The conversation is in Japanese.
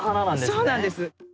そうなんです。